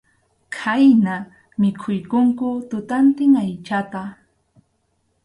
Khayna mikhuykunku tutantin aychata.